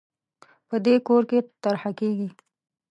په دې کور کې طرحه کېږي